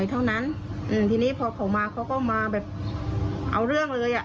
ทีนี้พอเขามาเขาก็มาแบบเอาเรื่องเลย